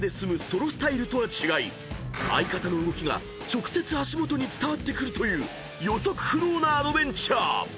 ソロスタイルとは違い相方の動きが直接足元に伝わってくるという予測不能なアドベンチャー］